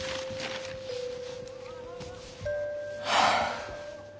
はあ。